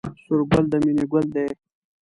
سور ګل د مینې ګل دی